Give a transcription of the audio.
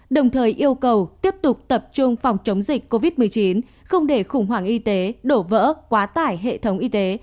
đồng thời yêu cầu tiếp tục tập trung phòng chống dịch covid một mươi chín không để khủng hoảng y tế đổ vỡ quá tải hệ thống y tế